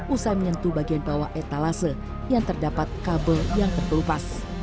usai menyentuh bagian bawah etalase yang terdapat kabel yang terkelupas